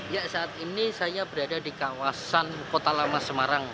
ya saat ini saya berada di kawasan kota lama semarang